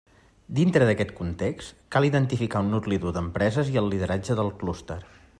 Dintre d'aquest context, cal identificar un nucli dur d'empreses i el lideratge del clúster.